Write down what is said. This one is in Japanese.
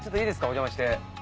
お邪魔して。